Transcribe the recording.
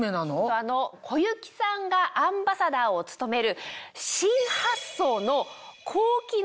あの小雪さんがアンバサダーを務める。